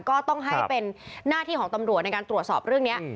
ก็ต้องให้เป็นหน้าที่ของตำรวจในการตรวจสอบเรื่องนี้